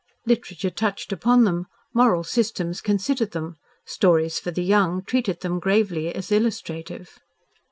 Literature touched upon them, moral systems considered them, stories for the young treated them gravely as illustrative.